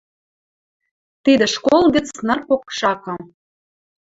Тидӹ школ гӹц ныр покшакы